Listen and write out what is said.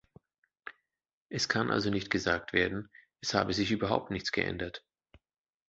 Es kann also nicht gesagt werden, es habe sich überhaupt nichts geändert.